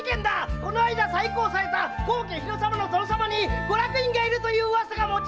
この間再興された高家日野様の殿様にご落胤がいるという噂だ！